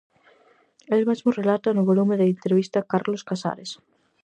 El mesmo relata no volume de entrevistas Carlos Casares.